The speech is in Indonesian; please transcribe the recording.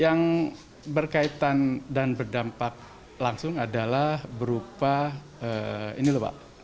yang berkaitan dan berdampak langsung adalah berupa ini lho pak